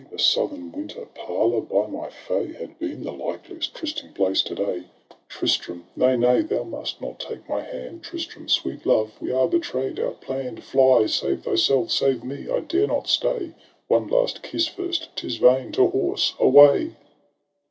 The southern winter parlour, by my fay. Had been the Hkeliest trysting place to day !—' Tristram !— 7iay, nay — thou must not take my hand !— Tristram !— sweet love I — we are betray d — out planrHd. Fly — save thyself — save me! —/ dare not stay! — One last kiss first! — "7z!? vain — to horse — away!'